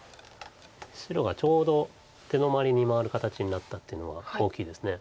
白がちょうど手止まりに回る形になったっていうのは大きいです。